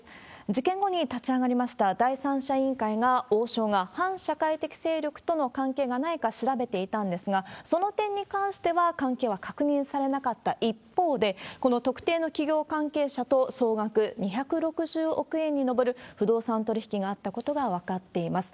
事件後に立ち上がりました第三者委員会が、王将が反社会的勢力との関係がないか調べていたんですが、その点に関しては関係は確認されなかった一方で、この特定の企業関係者と総額２６０億円に上る不動産取り引きがあったことが分かっています。